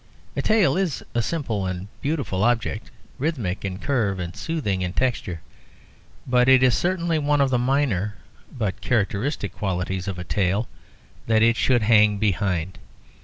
A tail is a simple and beautiful object, rhythmic in curve and soothing in texture; but it is certainly one of the minor but characteristic qualities of a tail that it should hang behind.